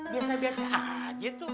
biasa biasa aja tuh